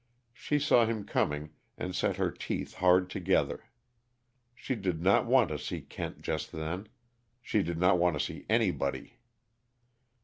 She saw him coming and set her teeth hard together. She did not want to see Kent just then; she did not want to see anybody.